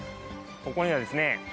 ここにはですね